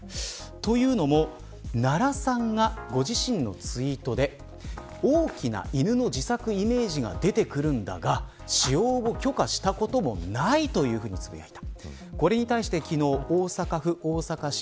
というのも奈良さんがご自身のツイートで大きな犬の自作イメージが出てくるんだが使用を許可したこともないというふうにつぶやいた。